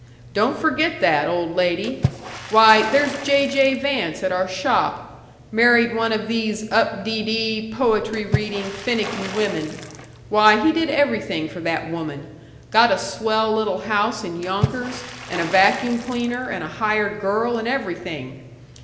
Don't forget that, old lady. Why, there's J. J. Vance at our shop. Married one of these up dee dee, poetry reading, finicky women. Why, he did everything for that woman. Got a swell little house in Yonkers, and a vacuum cleaner, and a hired girl, and everything.